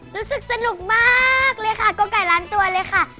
รู้สึกสนุกมากเลยค่ะโกไก่ล้านตัวเลยค่ะ